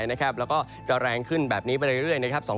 แล้วก็จะแรงขึ้นแบบนี้ไปเรื่อยนะครับ